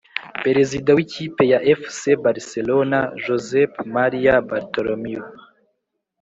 perezida w’ikipe ya fc barcelona, josep maria bartomeu